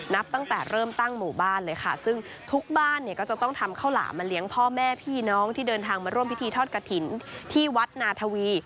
นับตั้งแต่เริ่มตั้งหมู่บ้านเลยค่ะซึ่งทุกบ้านเนี่ยก็จะต้องทำข้าวหลามมาเลี้ยงพ่อแม่พี่น้องที่เดินทางมาร่วมพิธีทอดกระถิ่นที่วัดนาธวี